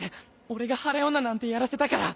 俺が晴れ女なんてやらせたから。